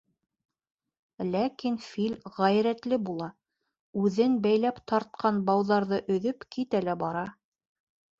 — Ләкин фил ғәйрәтле була, үҙен бәйләп тартҡан бауҙарҙы өҙөп, китә лә бара.